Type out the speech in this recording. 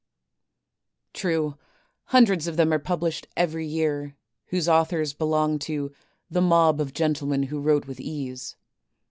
True, hundreds of them are published every year, whose authors belong to *'The mob of gentlemen who wrote with ease.''